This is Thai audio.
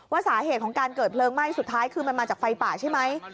สาเหตุของการเกิดเพลิงไหม้สุดท้ายคือมันมาจากไฟป่าใช่ไหม